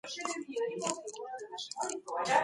په خپلو څېړنو کي د استادانو مشورې واورئ.